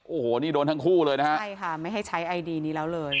โอ้โหนี่โดนทั้งคู่เลยนะฮะใช่ค่ะไม่ให้ใช้ไอดีนี้แล้วเลย